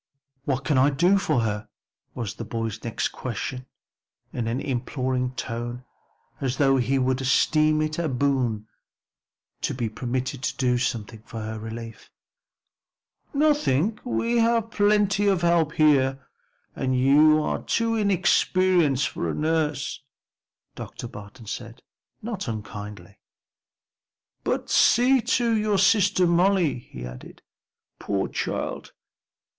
"What can I do for her?" was the boy's next question in an imploring tone as though he would esteem it a boon to be permitted to do something for her relief. "Nothing; we have plenty of help here, and you are too inexperienced for a nurse," Dr. Barton said, not unkindly. "But see to your sister Molly," he added. "Poor child!